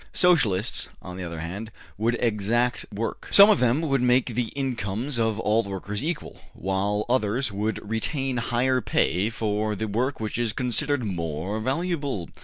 Socialists, on the other hand, would exact work. Some of them would make the incomes of all workers equal, while others would retain higher pay for the work which is considered more valuable.